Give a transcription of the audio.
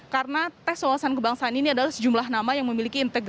karena tes wawasan kebangsaan ini adalah sejumlah nama yang memiliki integritas